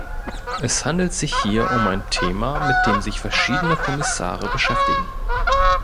Es handelt sich hier um ein Thema, mit dem sich verschiedene Kommissare beschäftigen.